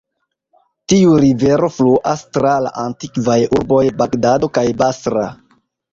Tiu rivero fluas tra la antikvaj urboj Bagdado kaj Basra.